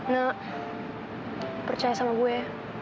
nek percaya sama gue